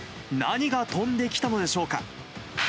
何が飛んできたのでしょうか。